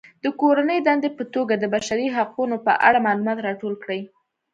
د کورنۍ دندې په توګه د بشري حقونو په اړه معلومات راټول کړئ.